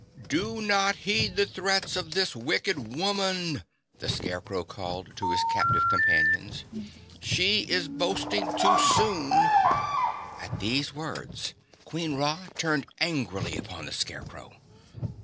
"Do not heed the threats of this wicked woman!" the Scarecrow called to his captive companions. "She is boasting too soon!" At these words Queen Ra turned angrily upon the Scarecrow.